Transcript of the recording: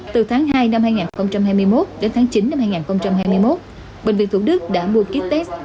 từ tháng hai năm hai nghìn hai mươi một đến tháng chín năm hai nghìn hai mươi một bệnh viện thủ đức đã mua kýt test